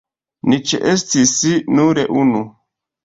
Ni ĉeestis nur unu.